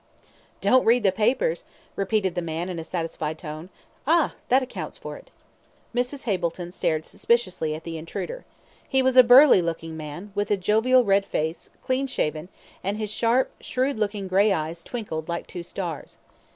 "Don't read the papers?" repeated the man, in a satisfied tone, "ah! that accounts for it." Mrs. Hableton stared suspiciously at the intruder. He was a burly looking man, with a jovial red face, clean shaven, and his sharp, shrewd looking grey eyes twinkled like two stars.